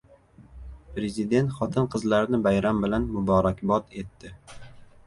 Prezident xotin-qizlarni bayram bilan muborakbod etdi